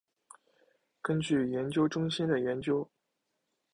根据研究中心的调研